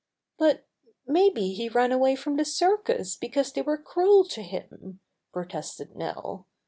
"But maybe he ran away from the circus because they were cruel to him," protested Nell.